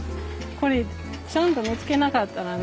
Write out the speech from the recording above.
これちゃんと見つけなかったらね